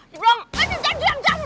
dibilang eh jadi yang jamu